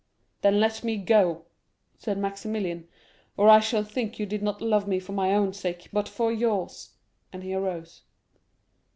"Then let me go," said Maximilian, "or I shall think you did not love me for my own sake, but for yours;" and he arose.